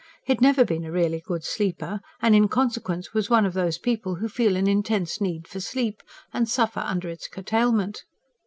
He had never been a really good sleeper; and, in consequence, was one of those people who feel an intense need for sleep, and suffer under its curtailment.